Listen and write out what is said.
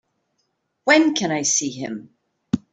When can I see him?